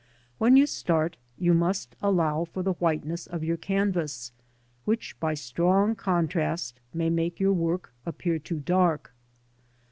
When you start, you must allow for the whiteness of your canvas, which by strong contrast may make your work appear too dark.